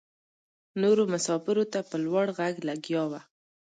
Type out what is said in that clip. نورو مساپرو ته په لوړ غږ لګیا وه.